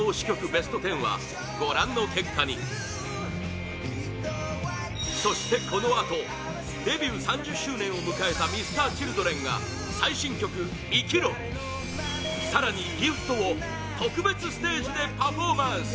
ベスト１０はご覧の結果にそして、このあとデビュー３０周年を迎えた Ｍｒ．Ｃｈｉｌｄｒｅｎ が最新曲「生きろ」更に、「ＧＩＦＴ」を特別ステージでパフォーマンス